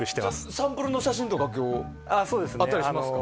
サンプルの写真あったりしますか？